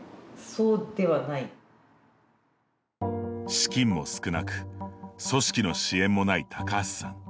資金も少なく組織の支援もない高橋さん。